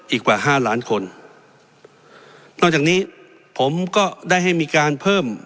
กว่าห้าล้านคนนอกจากนี้ผมก็ได้ให้มีการเพิ่ม